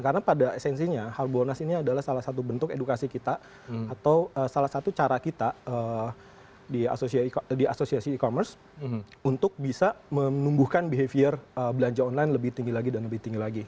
karena pada esensinya harbolnas ini adalah salah satu bentuk edukasi kita atau salah satu cara kita di asosiasi e commerce untuk bisa menumbuhkan behavior belanja online lebih tinggi lagi dan lebih tinggi lagi